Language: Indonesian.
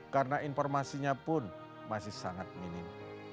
karena informasinya pun masih sangat minim